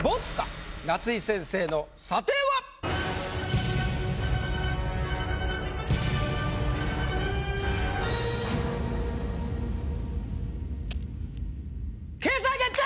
夏井先生の査定は⁉掲載決定！